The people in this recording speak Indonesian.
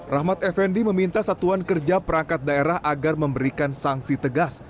rahmat effendi meminta satuan kerja perangkat daerah agar memberikan sanksi tegas